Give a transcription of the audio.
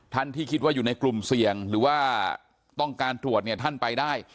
ที่คิดว่าอยู่ในกลุ่มเสี่ยงหรือว่าต้องการตรวจเนี่ยท่านไปได้